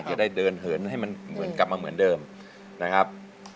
จะได้เดินเหินให้มันเหมือนกลับมาเหมือนเดิมนะครับ